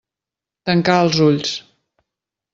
Tancà els ulls.